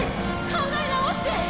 考え直して！